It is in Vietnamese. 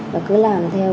và cứ làm theo